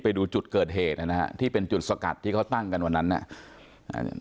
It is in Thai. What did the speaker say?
ไปดูจุดเกิดเหตุนะฮะที่เป็นจุดสกัดที่เขาตั้งกันวันนั้นน่ะอ่า